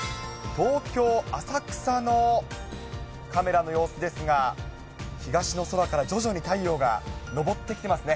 東京・浅草のカメラの様子ですが、東の空から徐々に太陽が昇ってきてますね。